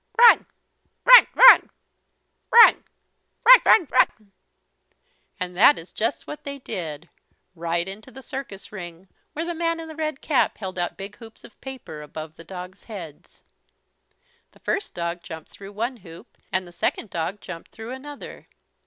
"Run run run run runrunrun!" And that is just what they did, right into the circus ring where the man in the red cap held out big hoops of paper above the dogs' heads. The first dog jumped through one hoop, and the second dog jumped through another.